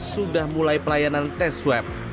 sudah mulai pelayanan tes swab